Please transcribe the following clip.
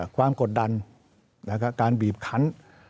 ความกดดันและการบีบขัน